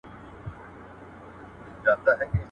نه ما څه درته کښېښوول، نه تا څه پکښي پرېښوول.